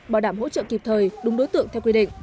bảo đảm hỗ trợ kịp thời đúng đối tượng theo quy định